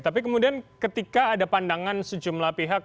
tapi kemudian ketika ada pandangan sejumlah pihak